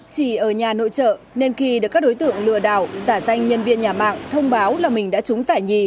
chỉ ở nhà nội trợ nên khi được các đối tượng lừa đảo giả danh nhân viên nhà mạng thông báo là mình đã trúng giải nhì